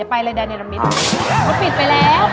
อ้าวเขาปิดไปแล้ว